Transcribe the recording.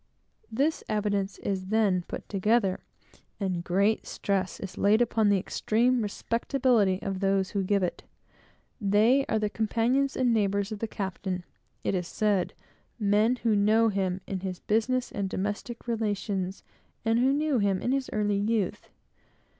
This evidence is then put together, and great stress is laid upon the extreme respectability of those who give it. They are the companions and neighbors of the captain, it is said, men who know him in his business and domestic relations, and who knew him in his early youth.